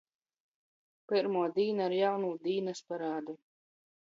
Pyrmuo dīna ar jaunū dīnys parādu.